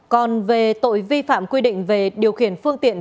còn về tội vi phạm quy định về điều khiển phương tiện